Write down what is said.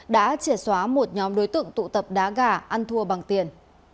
đã trẻ xóa một nhóm đối tượng tụ tập đá gà ăn thua bằng tiền